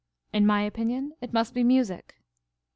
In my opinion, it must be music.